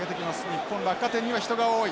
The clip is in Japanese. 日本落下点には人が多い。